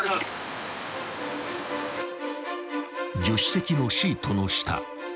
［助手席のシートの下］